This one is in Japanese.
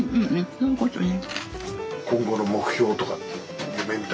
そういうことね。